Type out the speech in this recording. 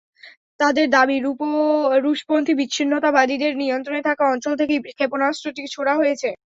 তাঁদের দাবি, রুশপন্থী বিচ্ছিন্নতাবাদীদের নিয়ন্ত্রণে থাকা অঞ্চল থেকেই ক্ষেপণাস্ত্রটি ছোড়া হয়েছে।